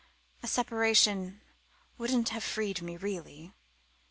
"A separation wouldn't have freed me really.